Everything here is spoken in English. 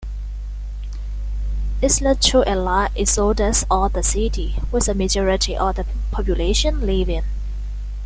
It led to a large exodus of the city, with a majority of the population leaving.